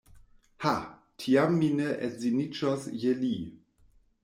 Ha! tiam mi ne edziniĝos je li.